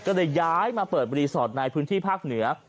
ก็เลยย้ายมาเปิดรีสอร์ทในพื้นที่ภาคเหนือ